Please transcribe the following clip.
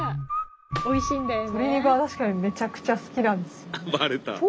おいしいんだよね。